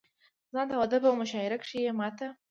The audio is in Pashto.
زما د واده په مشاعره کښې يې ما ته